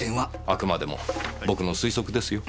あくまでも僕の推測ですよ。